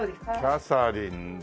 キャサリンだ。